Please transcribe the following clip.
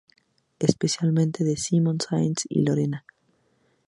Especialmente de Simón Saenz y Lorena.